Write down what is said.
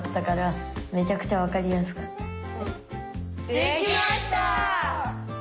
できました！